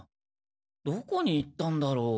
どこに行ったんだろう。